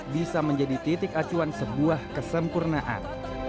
bisa menjadi titik acuan sebuah kesempurnaan